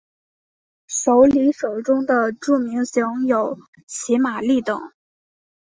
首里手中的著名型有骑马立等。